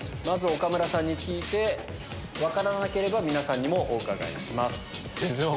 岡村さんに聞いて分からなければ皆さんにもお伺いします。